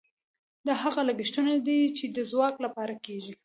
دا هغه لګښتونه دي چې د ځواک لپاره کیږي.